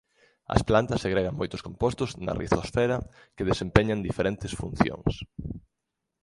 As plantas segregan moitos compostos na rizosfera que desempeñan diferentes funcións.